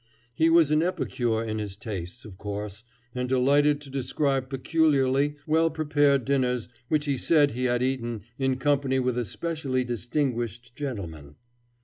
He was an epicure in his tastes, of course, and delighted to describe peculiarly well prepared dinners which he said he had eaten in company with especially distinguished gentlemen.